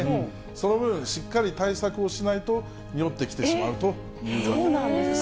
その分、しっかり対策をしないと、におってきてしまうというわけなんです。